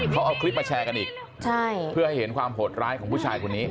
เขาเอาคลิปมาแชร์กันอีกใช่เพื่อให้เห็นความโหดร้ายของผู้ชายคนนี้